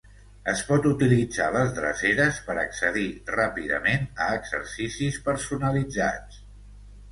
Es pot utilitzar les dreceres per accedir ràpidament a exercicis personalitzats.